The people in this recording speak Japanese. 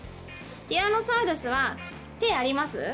ティラノサウルスは手あります？